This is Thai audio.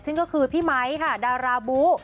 ซึ่งก็คือพี่ไมค์ค่ะดาราบู